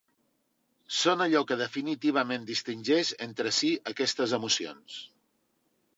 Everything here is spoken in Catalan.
Són allò que definitivament distingeix entre si aquestes emocions.